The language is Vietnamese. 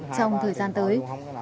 trong thời gian tới